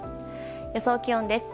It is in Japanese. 予想気温です。